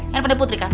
handphonenya putri kan